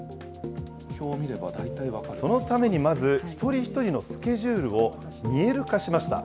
そのためにまず、一人一人のスケジュールを見える化しました。